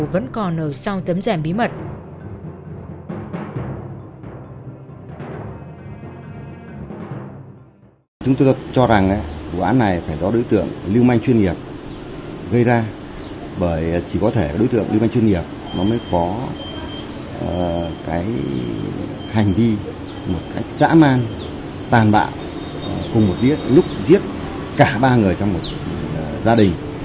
vẫn còn ở sau tấm rèm bí mật